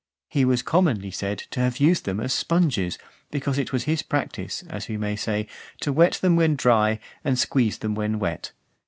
He was commonly said, "to have used them as sponges," because it was his practice, as we may say, to wet them when dry, and squeeze them when wet.